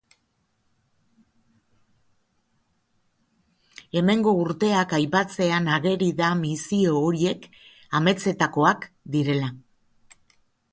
Hemengo urteak aipatzean ageri da Misio horiek amentsetakoak direla.